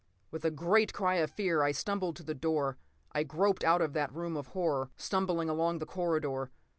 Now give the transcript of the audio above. p> With a great cry of fear I stumbled to the door. I groped out of that room of horror, stumbled along the corridor.